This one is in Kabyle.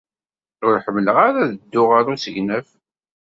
Ur ḥemmleɣ ara ad dduɣ ɣer usegnaf.